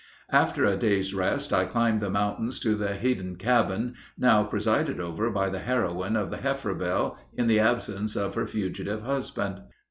After a day's rest I climbed the mountains to the Headen cabin, now presided over by the heroine of the heifer bell, in the absence of her fugitive husband.